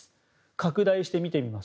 拡大して見てみます。